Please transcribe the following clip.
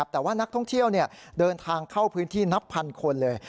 แต่ว่านักท่องเที่ยวเดินทางเข้าพื้นที่นับพันคนเลย